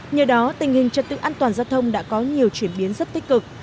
nhờ đó tình hình trật tự an toàn giao thông đã có nhiều chuyển biến rất tích cực